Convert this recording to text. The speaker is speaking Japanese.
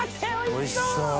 おいしそう！